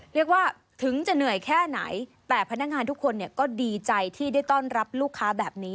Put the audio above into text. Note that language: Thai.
เรียกว่าถึงจะเหนื่อยแค่ไหนแต่พนักงานทุกคนเนี่ยก็ดีใจที่ได้ต้อนรับลูกค้าแบบนี้